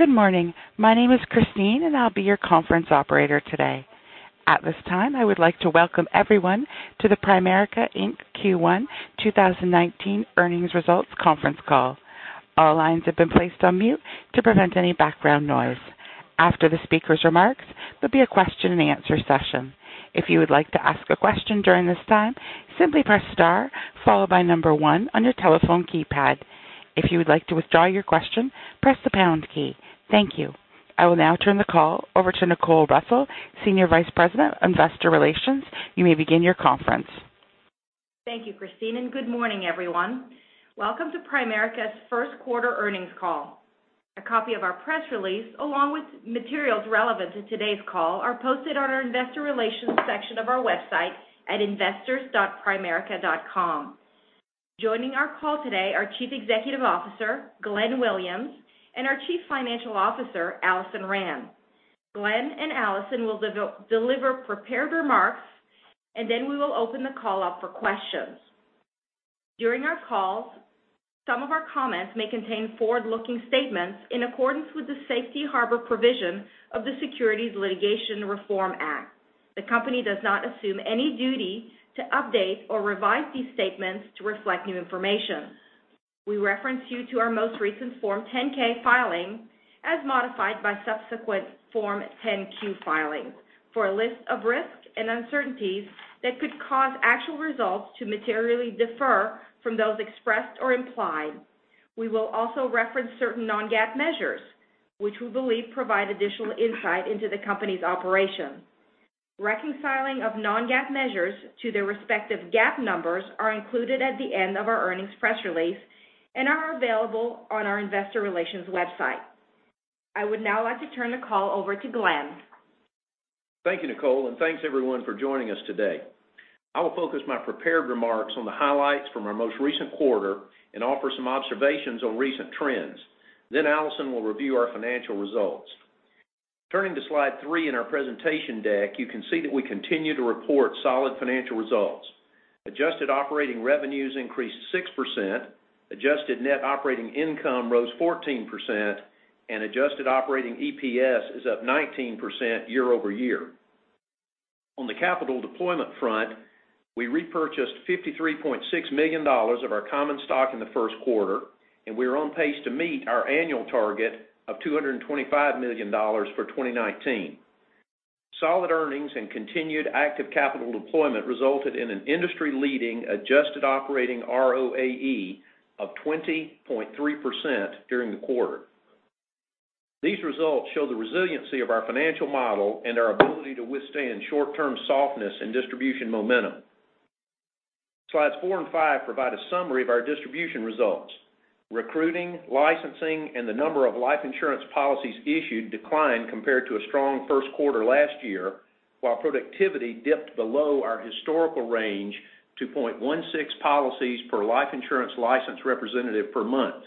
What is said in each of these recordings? Good morning. My name is Christine, and I will be your conference operator today. At this time, I would like to welcome everyone to the Primerica, Inc. Q1 2019 Earnings Results Conference Call. All lines have been placed on mute to prevent any background noise. After the speaker's remarks, there will be a question and answer session. If you would like to ask a question during this time, simply press star, followed by number one on your telephone keypad. If you would like to withdraw your question, press the pound key. Thank you. I will now turn the call over to Nicole Russell, Senior Vice President of Investor Relations. You may begin your conference. Thank you, Christine. Good morning, everyone. Welcome to Primerica's first quarter earnings call. A copy of our press release, along with materials relevant to today's call, are posted on our investor relations section of our website at investors.primerica.com. Joining our call today are Chief Executive Officer, Glenn Williams, and our Chief Financial Officer, Alison Rand. Glenn and Alison will deliver prepared remarks. Then we will open the call up for questions. During our call, some of our comments may contain forward-looking statements in accordance with the safety harbor provision of the Securities Litigation Reform Act. The company does not assume any duty to update or revise these statements to reflect new information. We reference you to our most recent Form 10-K filing, as modified by subsequent Form 10-Q filings, for a list of risks and uncertainties that could cause actual results to materially differ from those expressed or implied. We will also reference certain non-GAAP measures, which we believe provide additional insight into the company's operation. Reconciling of non-GAAP measures to their respective GAAP numbers are included at the end of our earnings press release and are available on our investor relations website. I would now like to turn the call over to Glenn. Thank you, Nicole. Thanks, everyone, for joining us today. I will focus my prepared remarks on the highlights from our most recent quarter and offer some observations on recent trends. Then Alison will review our financial results. Turning to slide three in our presentation deck, you can see that we continue to report solid financial results. Adjusted operating revenues increased 6%, adjusted net operating income rose 14%, and adjusted operating EPS is up 19% year-over-year. On the capital deployment front, we repurchased $53.6 million of our common stock in the first quarter. We are on pace to meet our annual target of $225 million for 2019. Solid earnings and continued active capital deployment resulted in an industry-leading adjusted operating ROAE of 20.3% during the quarter. These results show the resiliency of our financial model and our ability to withstand short-term softness and distribution momentum. Slides four and five provide a summary of our distribution results. Recruiting, licensing, and the number of life insurance policies issued declined compared to a strong first quarter last year, while productivity dipped below our historical range to 0.16 policies per life insurance licensed representative per month.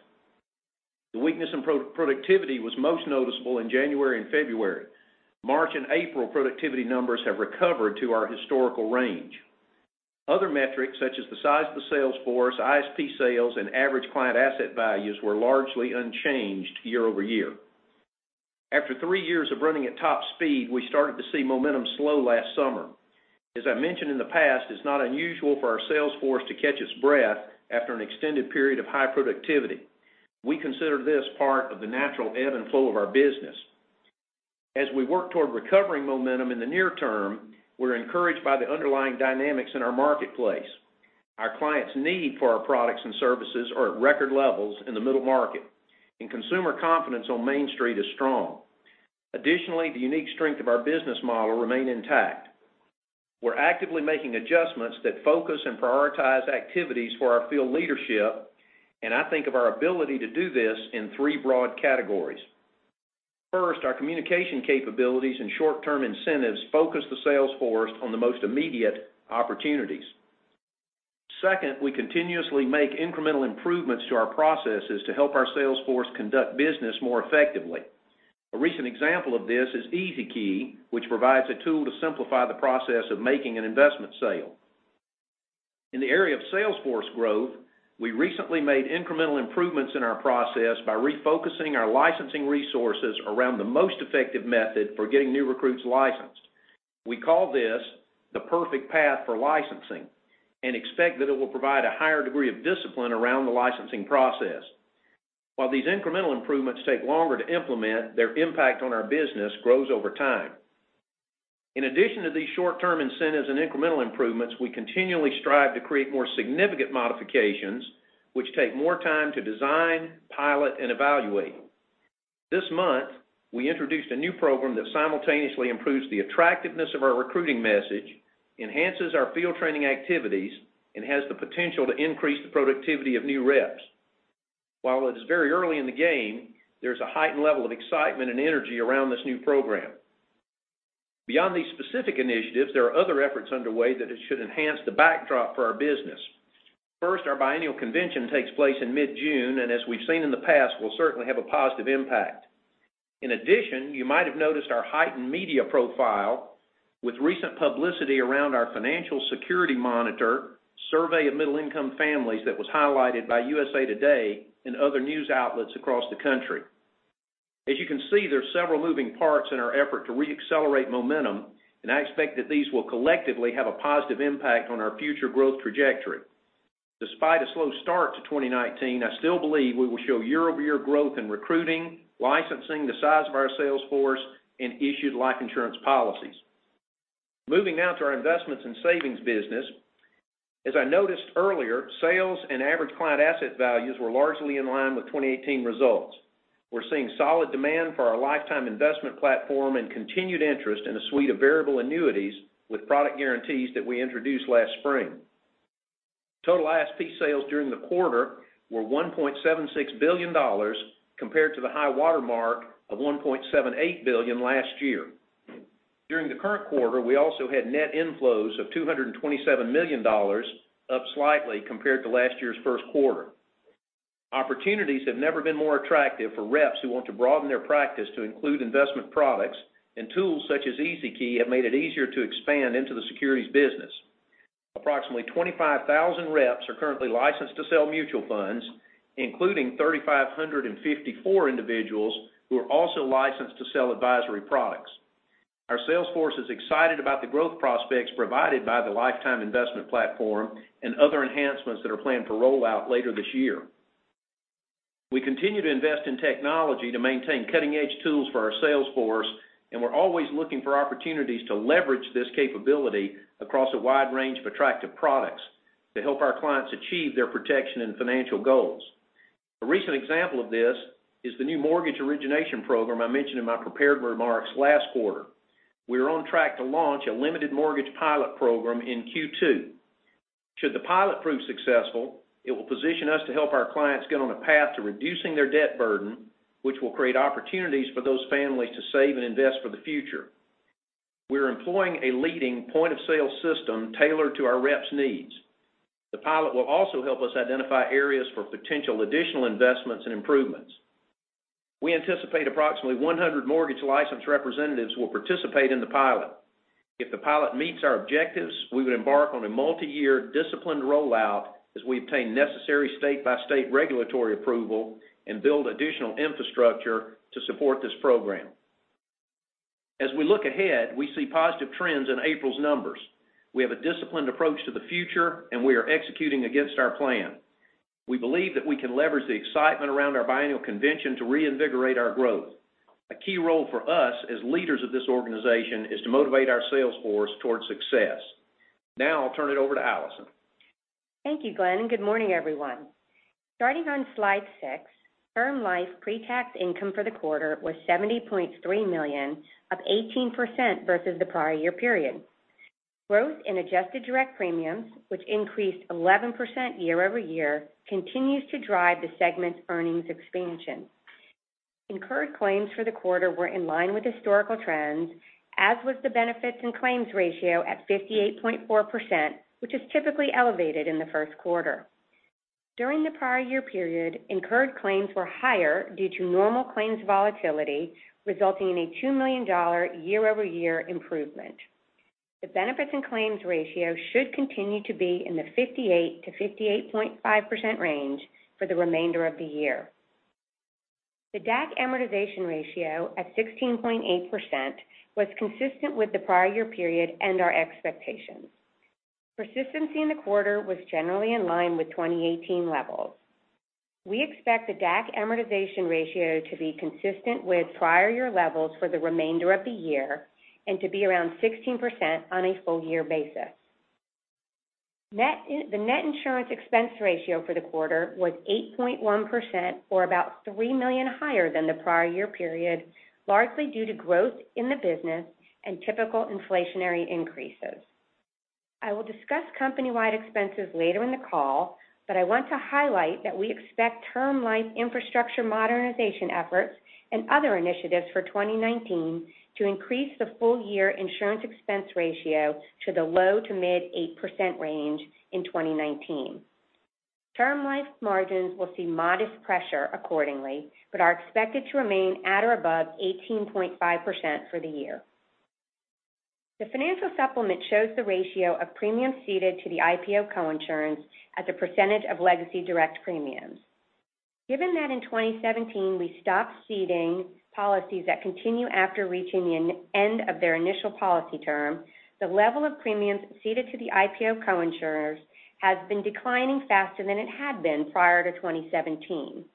The weakness in productivity was most noticeable in January and February. March and April productivity numbers have recovered to our historical range. Other metrics, such as the size of the sales force, ISP sales, and average client asset values, were largely unchanged year-over-year. After three years of running at top speed, we started to see momentum slow last summer. As I mentioned in the past, it is not unusual for our sales force to catch its breath after an extended period of high productivity. We consider this part of the natural ebb and flow of our business. As we work toward recovering momentum in the near term, we are encouraged by the underlying dynamics in our marketplace. Our clients' need for our products and services are at record levels in the middle market. Consumer confidence on Main Street is strong. Additionally, the unique strength of our business model remain intact. We are actively making adjustments that focus and prioritize activities for our field leadership. I think of our ability to do this in 3 broad categories. First, our communication capabilities and short-term incentives focus the sales force on the most immediate opportunities. Second, we continuously make incremental improvements to our processes to help our sales force conduct business more effectively. A recent example of this is EasyKey, which provides a tool to simplify the process of making an investment sale. In the area of sales force growth, we recently made incremental improvements in our process by refocusing our licensing resources around the most effective method for getting new recruits licensed. We call this the perfect path for licensing and expect that it will provide a higher degree of discipline around the licensing process. While these incremental improvements take longer to implement, their impact on our business grows over time. This month, we introduced a new program that simultaneously improves the attractiveness of our recruiting message, enhances our field training activities, and has the potential to increase the productivity of new reps. While it is very early in the game, there is a heightened level of excitement and energy around this new program. Beyond these specific initiatives, there are other efforts underway that should enhance the backdrop for our business. First, our biennial convention takes place in mid-June. As we have seen in the past, it will certainly have a positive impact. In addition, you might have noticed our heightened media profile with recent publicity around our Financial Security Monitor survey of middle-income families that was highlighted by USA Today and other news outlets across the country. As you can see, there are several moving parts in our effort to re-accelerate momentum. I expect that these will collectively have a positive impact on our future growth trajectory. Despite a slow start to 2019, I still believe we will show year-over-year growth in recruiting, licensing, the size of our sales force, and issued life insurance policies. Moving now to our investments and savings business. As I noted earlier, sales and average client asset values were largely in line with 2018 results. We're seeing solid demand for our Lifetime Investment Platform and continued interest in a suite of Variable Annuities with product guarantees that we introduced last spring. Total ISP sales during the quarter were $1.76 billion, compared to the high water mark of $1.78 billion last year. During the current quarter, we also had net inflows of $227 million, up slightly compared to last year's first quarter. Opportunities have never been more attractive for reps who want to broaden their practice to include investment products, tools such as EasyKey have made it easier to expand into the securities business. Approximately 25,000 reps are currently licensed to sell Mutual Funds, including 3,554 individuals who are also licensed to sell advisory products. Our sales force is excited about the growth prospects provided by the Lifetime Investment Platform and other enhancements that are planned for rollout later this year. We continue to invest in technology to maintain cutting-edge tools for our sales force, we're always looking for opportunities to leverage this capability across a wide range of attractive products to help our clients achieve their protection and financial goals. A recent example of this is the new mortgage origination program I mentioned in my prepared remarks last quarter. We are on track to launch a limited mortgage pilot program in Q2. Should the pilot prove successful, it will position us to help our clients get on a path to reducing their debt burden, which will create opportunities for those families to save and invest for the future. We're employing a leading point-of-sale system tailored to our reps' needs. The pilot will also help us identify areas for potential additional investments and improvements. We anticipate approximately 100 mortgage-licensed representatives will participate in the pilot. If the pilot meets our objectives, we would embark on a multi-year disciplined rollout as we obtain necessary state-by-state regulatory approval and build additional infrastructure to support this program. As we look ahead, we see positive trends in April's numbers. We have a disciplined approach to the future, we are executing against our plan. We believe that we can leverage the excitement around our biannual convention to reinvigorate our growth. A key role for us, as leaders of this organization, is to motivate our sales force towards success. Now I'll turn it over to Alison. Thank you, Glenn, Good morning, everyone. Starting on slide six, Term Life pre-tax income for the quarter was $70.3 million, up 18% versus the prior year period. Growth in adjusted direct premiums, which increased 11% year-over-year, continues to drive the segment's earnings expansion. Incurred claims for the quarter were in line with historical trends, as was the benefits and claims ratio at 58.4%, which is typically elevated in the first quarter. During the prior year period, incurred claims were higher due to normal claims volatility, resulting in a $2 million year-over-year improvement. The benefits and claims ratio should continue to be in the 58%-58.5% range for the remainder of the year. The DAC amortization ratio at 16.8% was consistent with the prior year period and our expectations. Persistency in the quarter was generally in line with 2018 levels. We expect the DAC amortization ratio to be consistent with prior year levels for the remainder of the year and to be around 16% on a full year basis. The net insurance expense ratio for the quarter was 8.1%, or about $3 million higher than the prior year period, largely due to growth in the business and typical inflationary increases. I will discuss company-wide expenses later in the call, but I want to highlight that we expect Term Life infrastructure modernization efforts and other initiatives for 2019 to increase the full year insurance expense ratio to the low to mid 8% range in 2019. Term Life margins will see modest pressure accordingly, but are expected to remain at or above 18.5% for the year. The financial supplement shows the ratio of premiums ceded to the IPO coinsurance as a percentage of legacy direct premiums. Given that in 2017, we stopped ceding policies that continue after reaching the end of their initial policy term, the level of premiums ceded to the IPO coinsurers has been declining faster than it had been prior to 2017.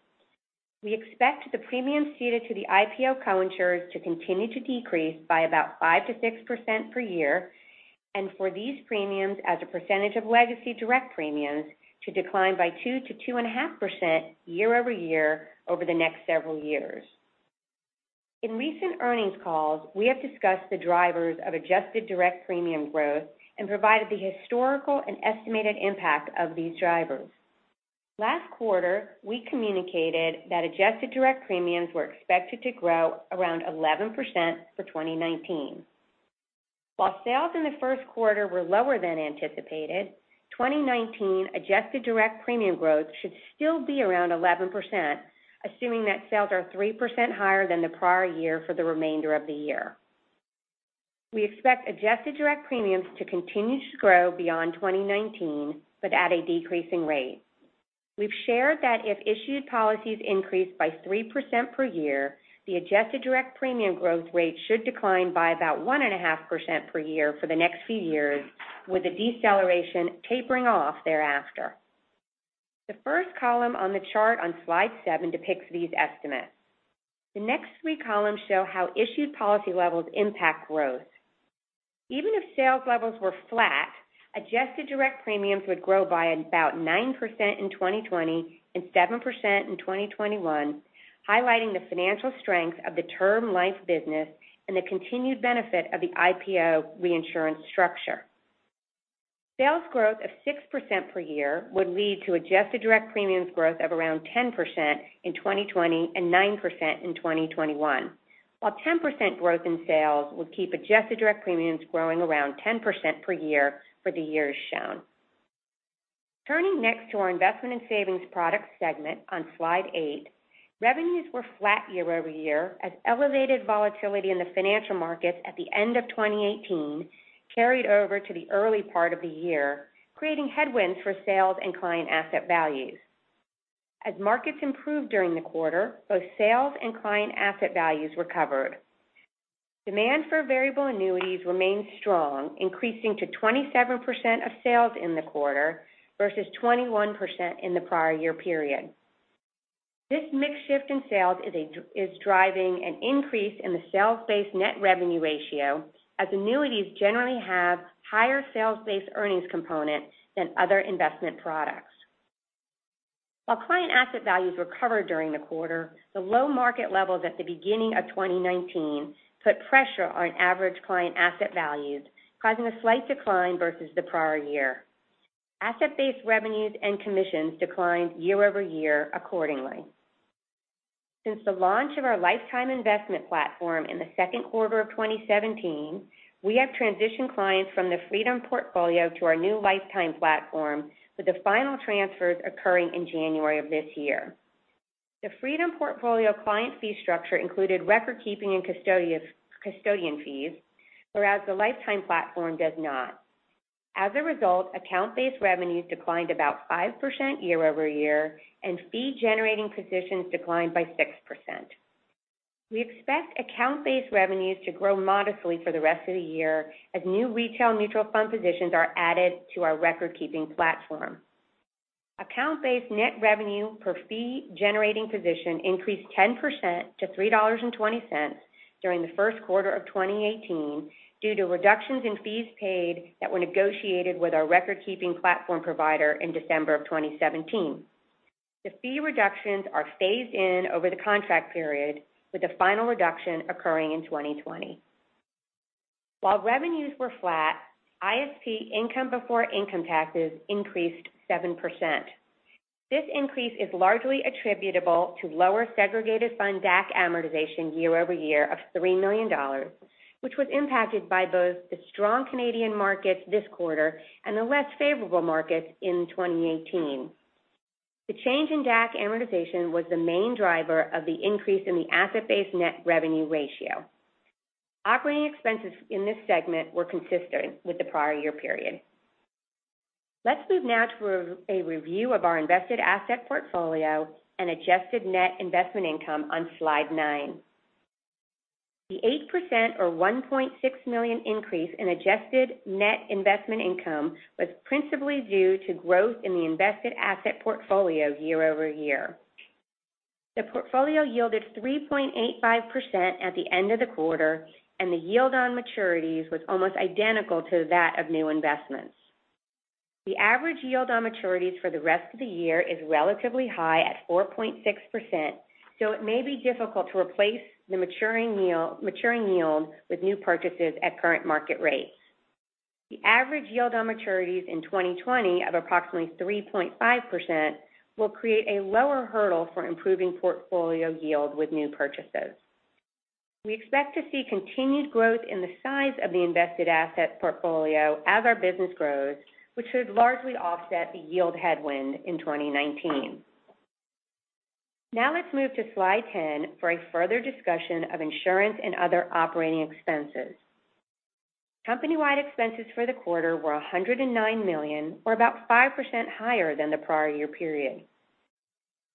We expect the premiums ceded to the IPO coinsurers to continue to decrease by about 5%-6% per year, and for these premiums as a percentage of legacy direct premiums to decline by 2%-2.5% year-over-year over the next several years. In recent earnings calls, we have discussed the drivers of adjusted direct premium growth and provided the historical and estimated impact of these drivers. Last quarter, we communicated that adjusted direct premiums were expected to grow around 11% for 2019. While sales in the first quarter were lower than anticipated, 2019 adjusted direct premium growth should still be around 11%, assuming that sales are 3% higher than the prior year for the remainder of the year. We expect adjusted direct premiums to continue to grow beyond 2019, but at a decreasing rate. We've shared that if issued policies increase by 3% per year, the adjusted direct premium growth rate should decline by about 1.5% per year for the next few years, with a deceleration tapering off thereafter. The first column on the chart on slide seven depicts these estimates. The next three columns show how issued policy levels impact growth. Even if sales levels were flat, adjusted direct premiums would grow by about 9% in 2020 and 7% in 2021, highlighting the financial strength of the Term Life business and the continued benefit of the IPO reinsurance structure. Sales growth of 6% per year would lead to adjusted direct premiums growth of around 10% in 2020 and 9% in 2021. While 10% growth in sales will keep adjusted direct premiums growing around 10% per year for the years shown. Turning next to our investment and savings product segment on slide eight, revenues were flat year-over-year as elevated volatility in the financial markets at the end of 2018 carried over to the early part of the year, creating headwinds for sales and client asset values. As markets improved during the quarter, both sales and client asset values recovered. Demand for Variable Annuities remained strong, increasing to 27% of sales in the quarter versus 21% in the prior year period. This mix shift in sales is driving an increase in the sales-based net revenue ratio, as annuities generally have higher sales-based earnings component than other investment products. While client asset values recovered during the quarter, the low market levels at the beginning of 2019 put pressure on average client asset values, causing a slight decline versus the prior year. Asset-based revenues and commissions declined year-over-year accordingly. Since the launch of our Lifetime Investment Platform in the second quarter of 2017, we have transitioned clients from the Freedom portfolio to our new Lifetime Investment Platform, with the final transfers occurring in January of this year. The Freedom portfolio client fee structure included record-keeping and custodian fees, whereas the Lifetime Investment Platform does not. As a result, account-based revenues declined about 5% year-over-year, and fee-generating positions declined by 6%. We expect account-based revenues to grow modestly for the rest of the year as new retail Mutual Funds positions are added to our record-keeping platform. Account-based net revenue per fee-generating position increased 10% to $3.20 during the first quarter of 2018 due to reductions in fees paid that were negotiated with our record-keeping platform provider in December of 2017. The fee reductions are phased in over the contract period, with the final reduction occurring in 2020. While revenues were flat, ISP income before income taxes increased 7%. This increase is largely attributable to lower segregated fund DAC amortization year-over-year of $3 million, which was impacted by both the strong Canadian markets this quarter and the less favorable markets in 2018. The change in DAC amortization was the main driver of the increase in the asset-based net revenue ratio. Operating expenses in this segment were consistent with the prior year period. Let's move now to a review of our invested asset portfolio and adjusted net investment income on slide nine. The 8% or $1.6 million increase in adjusted net investment income was principally due to growth in the invested asset portfolio year-over-year. The portfolio yielded 3.85% at the end of the quarter, and the yield on maturities was almost identical to that of new investments. The average yield on maturities for the rest of the year is relatively high at 4.6%, so it may be difficult to replace the maturing yield with new purchases at current market rates. The average yield on maturities in 2020 of approximately 3.5% will create a lower hurdle for improving portfolio yield with new purchases. We expect to see continued growth in the size of the invested asset portfolio as our business grows, which should largely offset the yield headwind in 2019. Now let's move to slide 10 for a further discussion of insurance and other operating expenses. Company-wide expenses for the quarter were $109 million, or about 5% higher than the prior year period.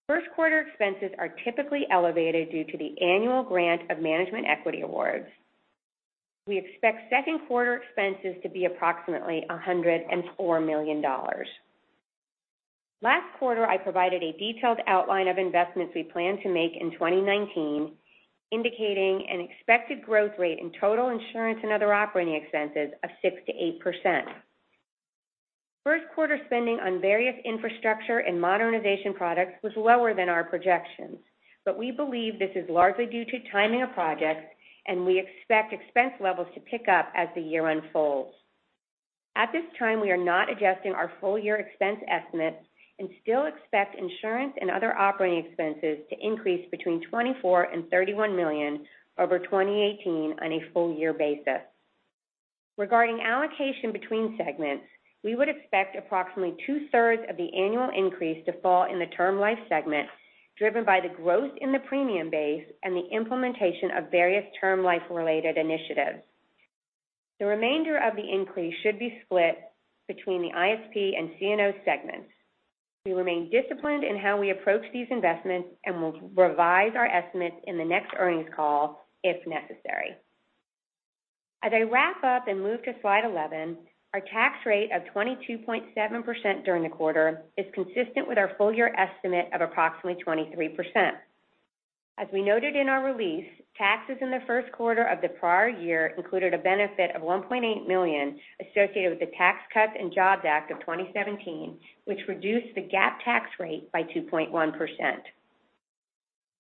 First quarter expenses are typically elevated due to the annual grant of management equity awards. We expect second quarter expenses to be approximately $104 million. Last quarter, I provided a detailed outline of investments we plan to make in 2019, indicating an expected growth rate in total insurance and other operating expenses of 6%-8%. First quarter spending on various infrastructure and modernization products was lower than our projections, but we believe this is largely due to timing of projects, and we expect expense levels to pick up as the year unfolds. At this time, we are not adjusting our full year expense estimates and still expect insurance and other operating expenses to increase between $24 million and $31 million over 2018 on a full year basis. Regarding allocation between segments, we would expect approximately two-thirds of the annual increase to fall in the Term Life segment, driven by the growth in the premium base and the implementation of various Term Life-related initiatives. The remainder of the increase should be split between the ISP and C&O segments. We remain disciplined in how we approach these investments and will revise our estimates in the next earnings call if necessary. I wrap up and move to slide 11, our tax rate of 22.7% during the quarter is consistent with our full year estimate of approximately 23%. We noted in our release, taxes in the first quarter of the prior year included a benefit of $1.8 million associated with the Tax Cuts and Jobs Act of 2017, which reduced the GAAP tax rate by 2.1%.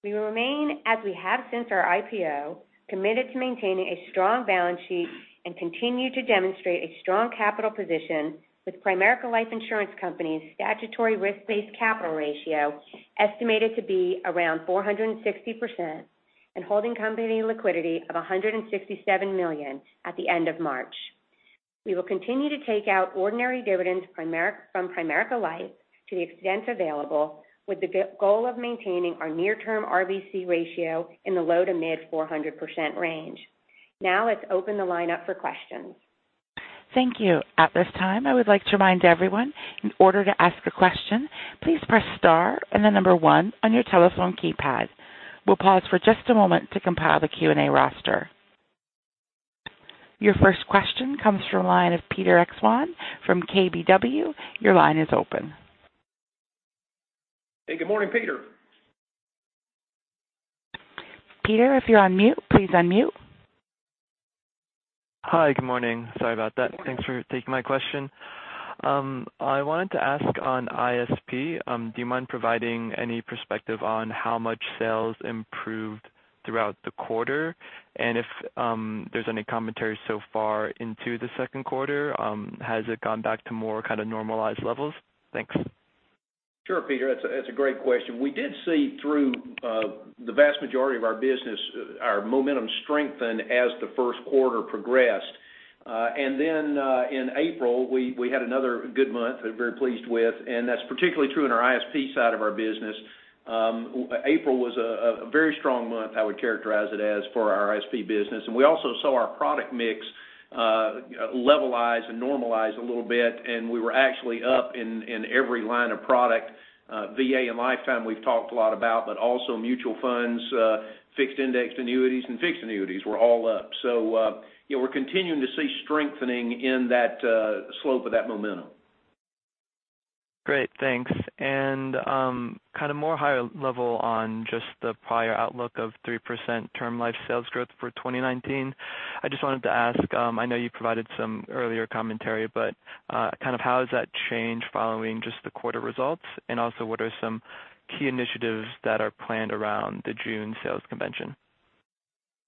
We remain, as we have since our IPO, committed to maintaining a strong balance sheet and continue to demonstrate a strong capital position with Primerica Life Insurance Company's statutory risk-based capital ratio estimated to be around 460% and holding company liquidity of $167 million at the end of March. We will continue to take out ordinary dividends from Primerica Life to the extent available, with the goal of maintaining our near-term RBC ratio in the low to mid 400% range. Let's open the line up for questions. Thank you. At this time, I would like to remind everyone, in order to ask a question, please press star and the number one on your telephone keypad. We'll pause for just a moment to compile the Q&A roster. Your first question comes from the line of Ryan Krueger from KBW. Your line is open. Hey, good morning, Ryan. Ryan, if you're on mute, please unmute. Hi. Good morning. Sorry about that. Good morning. Thanks for taking my question. I wanted to ask on ISP, do you mind providing any perspective on how much sales improved throughout the quarter? If there's any commentary so far into the second quarter, has it gone back to more kind of normalized levels? Thanks. Sure, Peter, that's a great question. We did see through the vast majority of our business, our momentum strengthen as the first quarter progressed. In April, we had another good month that we're very pleased with, and that's particularly true in our ISP side of our business. April was a very strong month, I would characterize it as, for our ISP business. We also saw our product mix levelize and normalize a little bit, and we were actually up in every line of product. VA and Lifetime we've talked a lot about, but also Mutual Funds, fixed indexed annuities, and fixed annuities were all up. We're continuing to see strengthening in that slope of that momentum. Great, thanks. Kind of more higher level on just the prior outlook of 3% Term Life sales growth for 2019. I just wanted to ask, I know you provided some earlier commentary, but kind of how has that changed following just the quarter results? What are some key initiatives that are planned around the June sales convention?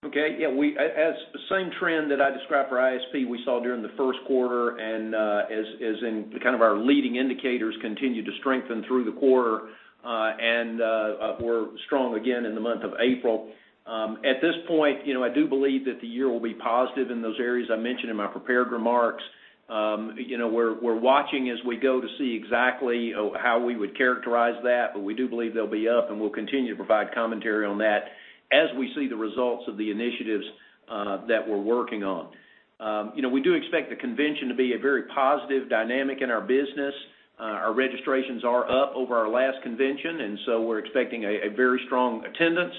Okay. Yeah. As the same trend that I described for ISP we saw during the first quarter and as in kind of our leading indicators continue to strengthen through the quarter, and were strong again in the month of April. At this point, I do believe that the year will be positive in those areas I mentioned in my prepared remarks. We're watching as we go to see exactly how we would characterize that, but we do believe they'll be up, and we'll continue to provide commentary on that as we see the results of the initiatives that we're working on. We do expect the convention to be a very positive dynamic in our business. Our registrations are up over our last convention, and so we're expecting a very strong attendance.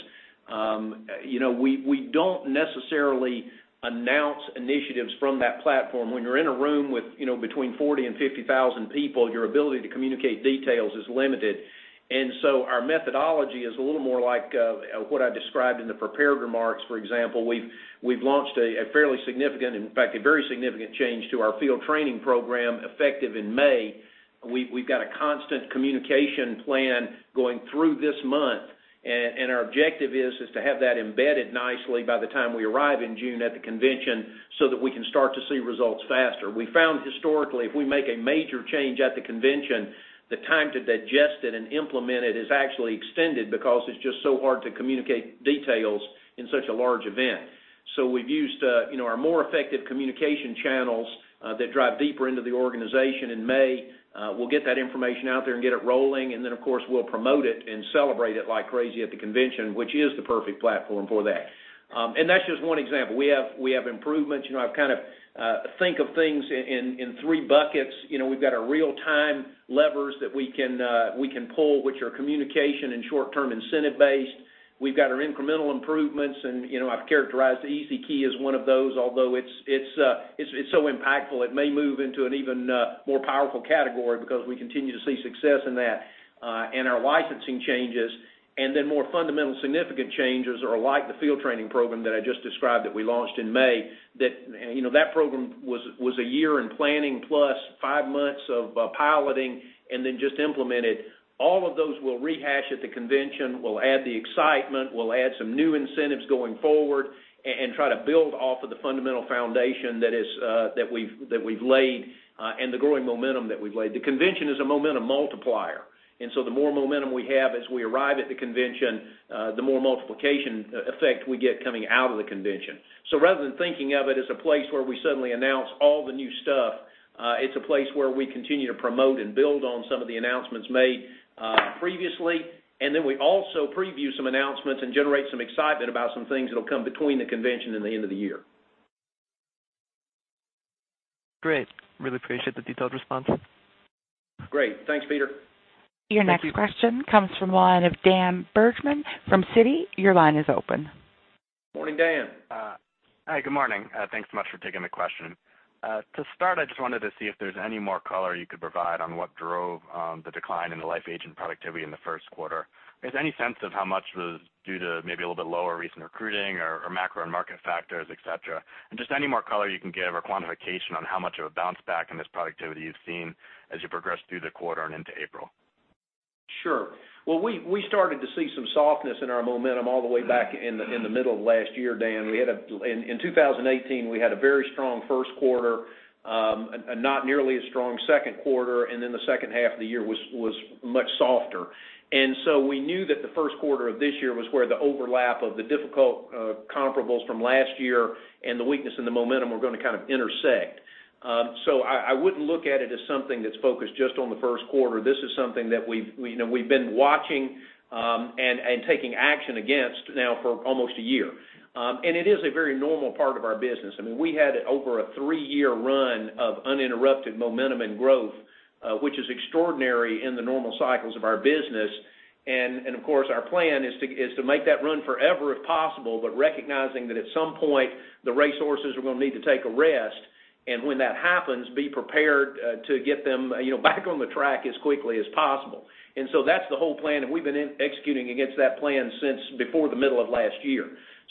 We don't necessarily announce initiatives from that platform. When you're in a room with between 40,000 and 50,000 people, your ability to communicate details is limited. Our methodology is a little more like what I described in the prepared remarks. For example, we've launched a fairly significant, in fact, a very significant change to our field training program effective in May. We've got a constant communication plan going through this month, and our objective is to have that embedded nicely by the time we arrive in June at the convention, so that we can start to see results faster. We found historically, if we make a major change at the convention, the time to digest it and implement it is actually extended because it's just so hard to communicate details in such a large event. We've used our more effective communication channels that drive deeper into the organization in May. We'll get that information out there and get it rolling. Of course, we'll promote it and celebrate it like crazy at the convention, which is the perfect platform for that. That's just one example. We have improvements. I kind of think of things in three buckets. We've got our real-time levers that we can pull, which are communication and short-term incentive-based. We've got our incremental improvements, and I've characterized the EasyKey as one of those, although it's so impactful, it may move into an even more powerful category because we continue to see success in that, and our licensing changes. More fundamental significant changes are like the field training program that I just described that we launched in May. That program was a year in planning plus five months of piloting and then just implemented. All of those we'll rehash at the convention. We'll add the excitement, we'll add some new incentives going forward, and try to build off of the fundamental foundation that we've laid, and the growing momentum that we've laid. The convention is a momentum multiplier. So the more momentum we have as we arrive at the convention, the more multiplication effect we get coming out of the convention. Rather than thinking of it as a place where we suddenly announce all the new stuff, it's a place where we continue to promote and build on some of the announcements made previously. We also preview some announcements and generate some excitement about some things that'll come between the convention and the end of the year. Great. Really appreciate the detailed response. Great. Thanks, Ryan. Thank you. Your next question comes from the line of Daniel Bergman from Citi. Your line is open. Morning, Dan. Hi, good morning. Thanks so much for taking the question. To start, I just wanted to see if there's any more color you could provide on what drove the decline in the life agent productivity in the first quarter. Is there any sense of how much was due to maybe a little bit lower recent recruiting or macro and market factors, et cetera? Just any more color you can give or quantification on how much of a bounce back in this productivity you've seen as you progress through the quarter and into April. Sure. Well, we started to see some softness in our momentum all the way back in the middle of last year, Dan. In 2018, we had a very strong first quarter, not nearly as strong second quarter. The second half of the year was much softer. We knew that the first quarter of this year was where the overlap of the difficult comparables from last year and the weakness in the momentum were going to kind of intersect. I wouldn't look at it as something that's focused just on the first quarter. This is something that we've been watching and taking action against now for almost a year. It is a very normal part of our business. We had over a three-year run of uninterrupted momentum and growth, which is extraordinary in the normal cycles of our business. Of course, our plan is to make that run forever if possible, but recognizing that at some point, the racehorses are going to need to take a rest, and when that happens, be prepared to get them back on the track as quickly as possible. That's the whole plan, and we've been executing against that plan since before the middle of last year.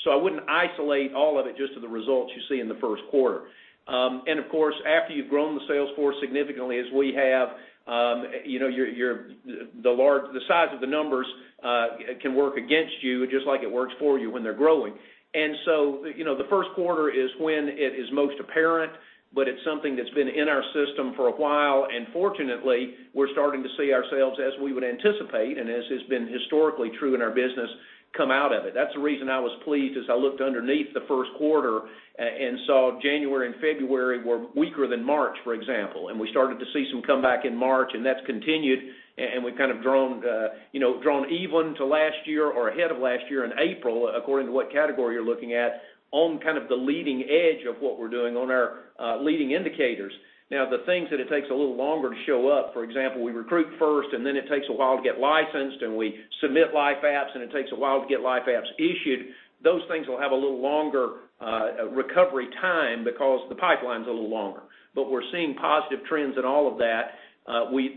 I wouldn't isolate all of it just to the results you see in the first quarter. Of course, after you've grown the sales force significantly as we have, the size of the numbers can work against you just like it works for you when they're growing. The first quarter is when it is most apparent, but it's something that's been in our system for a while. Fortunately, we're starting to see ourselves as we would anticipate and as has been historically true in our business come out of it. That's the reason I was pleased as I looked underneath the first quarter and saw January and February were weaker than March, for example. We started to see some comeback in March, and that's continued, and we've kind of drawn even to last year or ahead of last year in April, according to what category you're looking at, on the leading edge of what we're doing on our leading indicators. The things that it takes a little longer to show up, for example, we recruit first, and then it takes a while to get licensed, and we submit life apps, and it takes a while to get life apps issued. Those things will have a little longer recovery time because the pipeline's a little longer. We're seeing positive trends in all of that.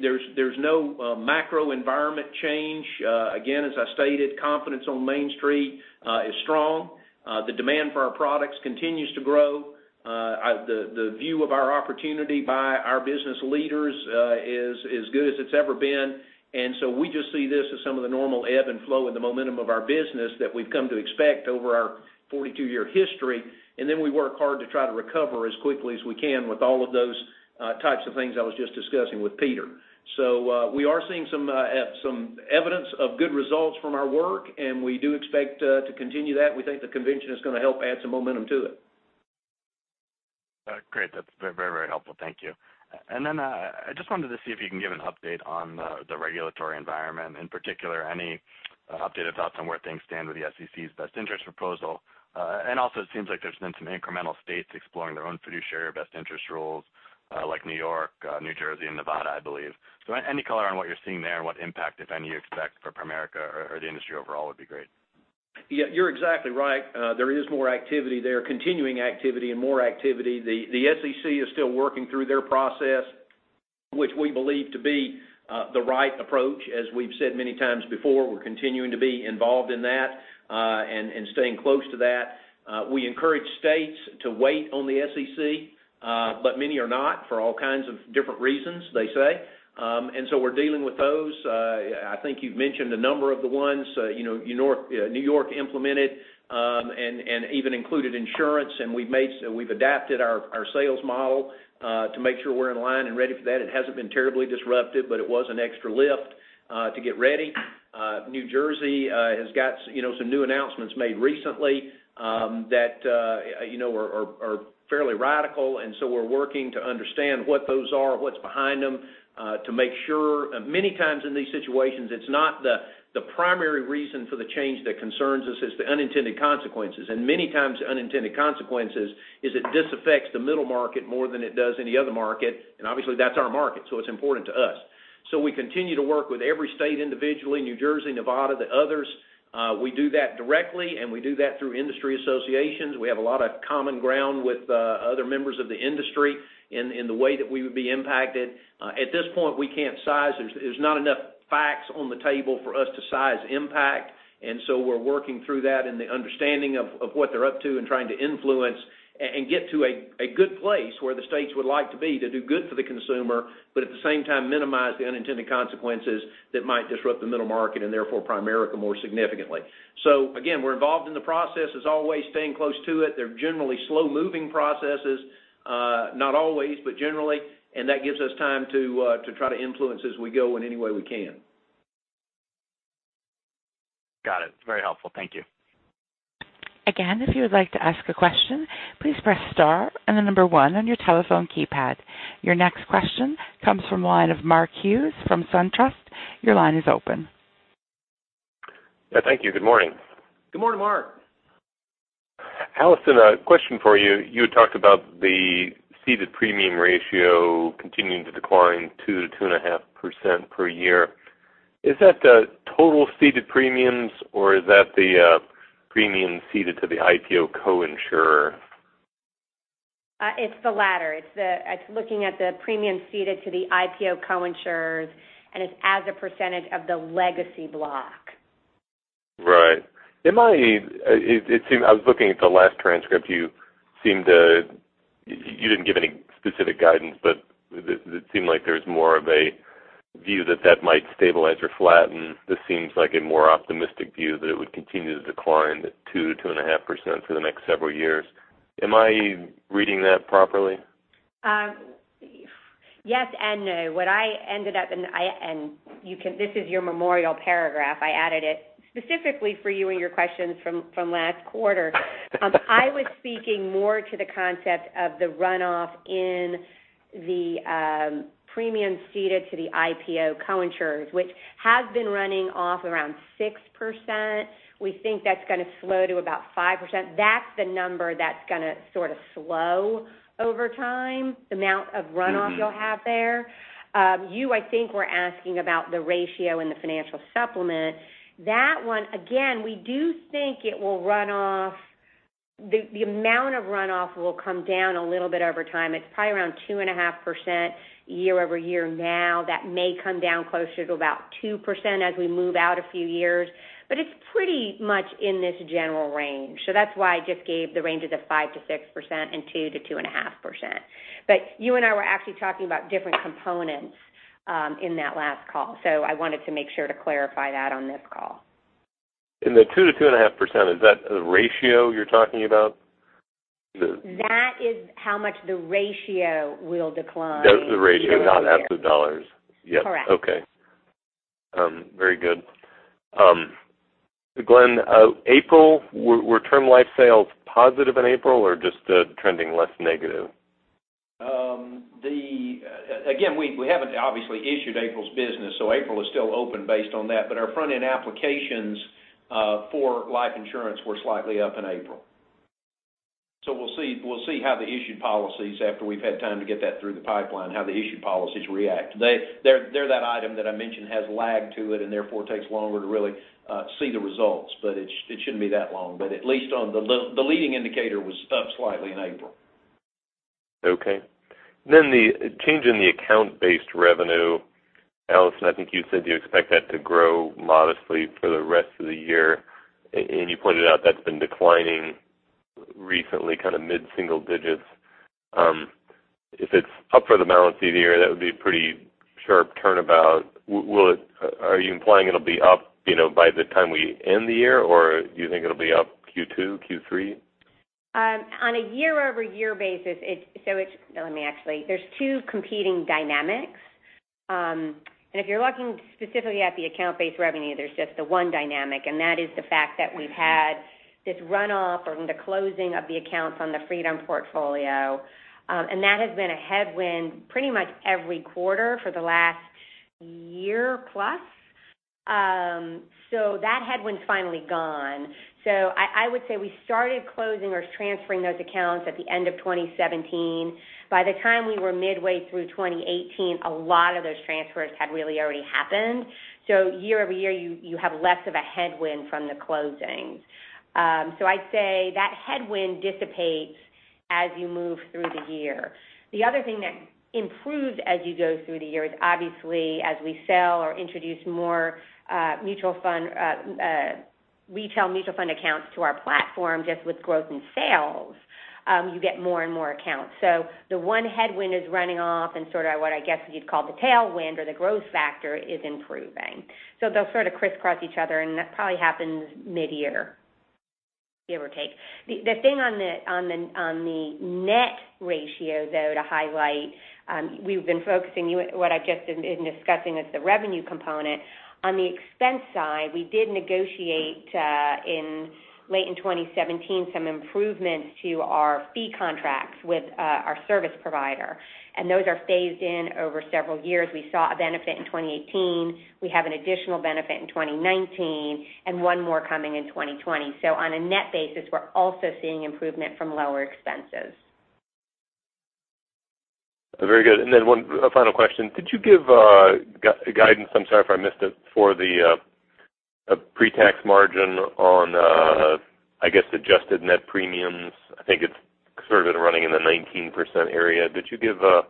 There's no macro environment change. Again, as I stated, confidence on Main Street is strong. The demand for our products continues to grow. The view of our opportunity by our business leaders is as good as it's ever been. We just see this as some of the normal ebb and flow in the momentum of our business that we've come to expect over our 42-year history. We work hard to try to recover as quickly as we can with all of those types of things I was just discussing with Ryan. We are seeing some evidence of good results from our work, and we do expect to continue that. We think the convention is going to help add some momentum to it. Great. That's very helpful. Thank you. I just wanted to see if you can give an update on the regulatory environment, in particular, any update on where things stand with the SEC's best interest proposal. It seems like there's been some incremental states exploring their own fiduciary best interest rules, like New York, New Jersey, and Nevada, I believe. Any color on what you're seeing there and what impact, if any, you expect for Primerica or the industry overall would be great. You're exactly right. There is more activity there, continuing activity and more activity. The SEC is still working through their process, which we believe to be the right approach. As we've said many times before, we're continuing to be involved in that, and staying close to that. We encourage states to wait on the SEC, but many are not for all kinds of different reasons, they say. We're dealing with those. I think you've mentioned a number of the ones. New York implemented, and even included insurance, and we've adapted our sales model to make sure we're in line and ready for that. It hasn't been terribly disruptive, but it was an extra lift to get ready. New Jersey has got some new announcements made recently that are fairly radical, and so we're working to understand what those are, what's behind them, to make sure, many times in these situations, it's not the primary reason for the change that concerns us, it's the unintended consequences. Many times unintended consequences is it disaffects the middle market more than it does any other market, and obviously that's our market, so it's important to us. We continue to work with every state individually, New Jersey, Nevada, the others. We do that directly, and we do that through industry associations. We have a lot of common ground with other members of the industry in the way that we would be impacted. At this point, we can't size. There's not enough facts on the table for us to size impact. We're working through that and the understanding of what they're up to and trying to influence and get to a good place where the states would like to be to do good for the consumer, but at the same time minimize the unintended consequences that might disrupt the middle market and therefore Primerica more significantly. Again, we're involved in the process as always staying close to it. They're generally slow-moving processes, not always, but generally, and that gives us time to try to influence as we go in any way we can. Got it. Very helpful. Thank you. Again, if you would like to ask a question, please press star and the number 1 on your telephone keypad. Your next question comes from the line of Mark Hughes from SunTrust. Your line is open. Thank you. Good morning. Good morning, Mark. Alison, a question for you. You had talked about the ceded premium ratio continuing to decline 2%-2.5% per year. Is that the total ceded premiums, or is that the premiums ceded to the IPO co-insurer? It's the latter. It's looking at the premiums ceded to the IPO co-insurers, and it's as a % of the legacy block. Right. I was looking at the last transcript. You didn't give any specific guidance, but it seemed like there's more of a view that that might stabilize or flatten. This seems like a more optimistic view that it would continue to decline at 2%-2.5% for the next several years. Am I reading that properly? Yes and no. This is your memorial paragraph. I added it specifically for you and your questions from last quarter. I was speaking more to the concept of the runoff in the premiums ceded to the IPO co-insurers, which has been running off around 6%. We think that's going to slow to about 5%. That's the number that's going to sort of slow over time, the amount of runoff you'll have there. You, I think, were asking about the ratio and the financial supplement. That one, again, we do think the amount of runoff will come down a little bit over time. It's probably around 2.5% year-over-year now. That may come down closer to about 2% as we move out a few years. It's pretty much in this general range. That's why I just gave the ranges of 5%-6% and 2%-2.5%. You and I were actually talking about different components in that last call. I wanted to make sure to clarify that on this call. In the 2%-2.5%, is that the ratio you're talking about? That is how much the ratio will decline. That's the ratio, not absolute dollars. Correct. Yes. Okay. Very good. Glenn, were Term Life sales positive in April or just trending less negative? We haven't obviously issued April's business, so April is still open based on that, but our front-end applications for life insurance were slightly up in April. We'll see how the issued policies, after we've had time to get that through the pipeline, how the issued policies react. They're that item that I mentioned has lag to it and therefore takes longer to really see the results, but it shouldn't be that long. At least the leading indicator was up slightly in April. Okay. The change in the account-based revenue, Alison, I think you said you expect that to grow modestly for the rest of the year, and you pointed out that's been declining recently, kind of mid-single digits. If it's up for the balance of the year, that would be a pretty sharp turnabout. Are you implying it'll be up by the time we end the year, or do you think it'll be up Q2, Q3? On a year-over-year basis, there's two competing dynamics. If you're looking specifically at the account-based revenue, there's just the one dynamic, and that is the fact that we've had this runoff from the closing of the accounts on the Freedom portfolio. That has been a headwind pretty much every quarter for the last year plus. That headwind's finally gone. I would say we started closing or transferring those accounts at the end of 2017. By the time we were midway through 2018, a lot of those transfers had really already happened. Year-over-year, you have less of a headwind from the closings. I'd say that headwind dissipates as you move through the year. The other thing that improves as you go through the year is obviously as we sell or introduce more retail mutual fund accounts to our platform, just with growth in sales, you get more and more accounts. The one headwind is running off and sort of what I guess you'd call the tailwind or the growth factor is improving. They'll sort of crisscross each other, and that probably happens mid-year, give or take. The thing on the net ratio, though, to highlight, we've been focusing, what I just am discussing is the revenue component. On the expense side, we did negotiate late in 2017 some improvements to our fee contracts with our service provider, and those are phased in over several years. We saw a benefit in 2018. We have an additional benefit in 2019 and one more coming in 2020. On a net basis, we're also seeing improvement from lower expenses. Very good. One final question. Did you give guidance, I'm sorry if I missed it, for the pre-tax margin on, I guess, adjusted net premiums? I think it's sort of been running in the 19% area. Did you give a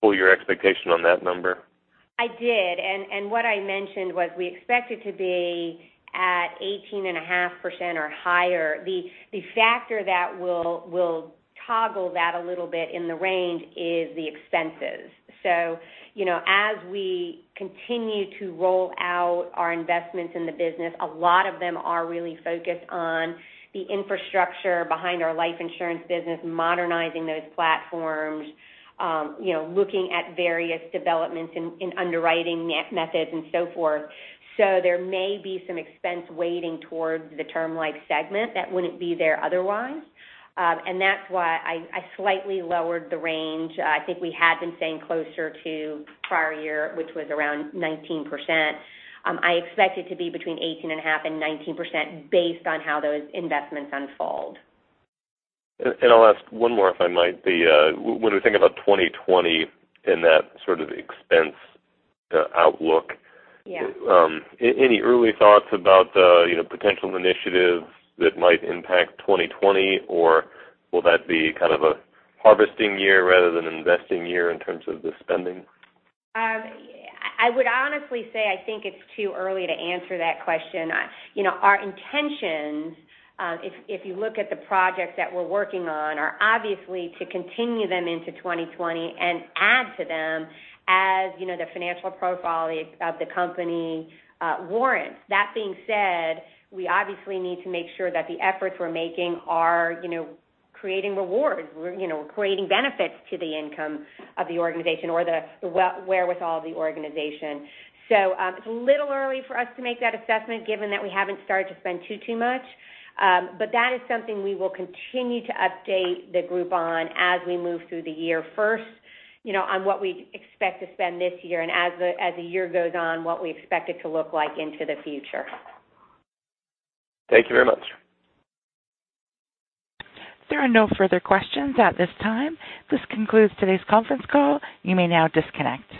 full-year expectation on that number? I did. What I mentioned was we expect it to be at 18.5% or higher. The factor that will toggle that a little bit in the range is the expenses. As we continue to roll out our investments in the business, a lot of them are really focused on the infrastructure behind our life insurance business, modernizing those platforms, looking at various developments in underwriting methods and so forth. There may be some expense weighting towards the term life segment that wouldn't be there otherwise, and that's why I slightly lowered the range. I think we had been saying closer to prior year, which was around 19%. I expect it to be between 18.5% and 19% based on how those investments unfold. I'll ask one more, if I might. When we think about 2020 in that sort of expense outlook. Yeah Are there any early thoughts about potential initiatives that might impact 2020? Will that be kind of a harvesting year rather than an investing year in terms of the spending? I would honestly say I think it's too early to answer that question. Our intentions, if you look at the projects that we're working on, are obviously to continue them into 2020 and add to them as the financial profile of the company warrants. That being said, we obviously need to make sure that the efforts we're making are creating rewards. We're creating benefits to the income of the organization or the wherewithal of the organization. It's a little early for us to make that assessment given that we haven't started to spend too much. That is something we will continue to update the group on as we move through the year. First, on what we expect to spend this year, as the year goes on, what we expect it to look like into the future. Thank you very much. There are no further questions at this time. This concludes today's conference call. You may now disconnect.